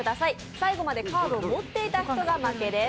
最後までカードを持っていた人の負けです。